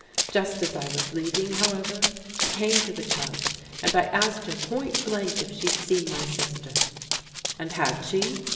Just as I was leaving, however, she came to the club, and I asked her pointblank if she'd seen my sister?" "And had she?"